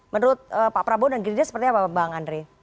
menurut pak prabowo dan gerindra seperti apa bang andre